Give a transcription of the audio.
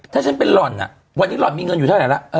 ถ้าฉันเป็นหล่อนวันนี้หล่อนมีเงินอยู่เท่าไหร่ละ